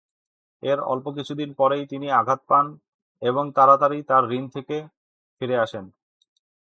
এর অল্প কিছুদিন পরেই, তিনি আঘাত পান এবং তাড়াতাড়ি তার ঋণ থেকে ফিরে আসেন।